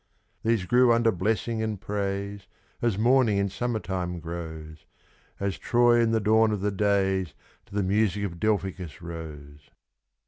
These grew under blessing and praise, as morning in summertime grows As Troy in the dawn of the days to the music of Delphicus rose.